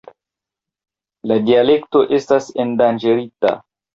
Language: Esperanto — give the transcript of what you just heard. La dialekto estas endanĝerita.